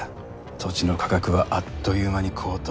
土地の価格はあっという間に高騰。